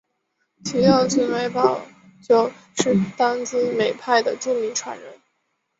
其幼子梅葆玖是当今梅派的著名传人。